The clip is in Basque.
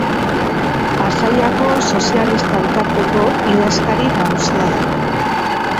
Pasaiako Sozialista Elkarteko idazkari nagusia da.